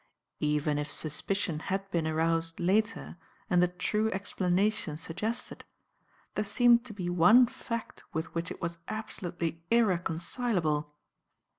Even if suspicion had been aroused later and the true explanation suggested, there seemed to be one fact with which it was absolutely irreconcilable."